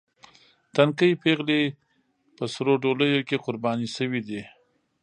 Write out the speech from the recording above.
تنکۍ پېغلې په سرو ډولیو کې قرباني شوې دي.